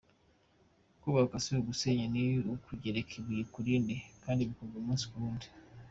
Kubaka si ugusenya ni ukugereka ibuye kurindi kandi bikorwa umunsi kuwundi.